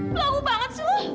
belagu banget sih lu